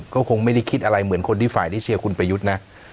ก็คงไม่ได้คิดอะไรเหมือนคนที่ฝ่ายที่เชียร์คุณประยุทธ์นะ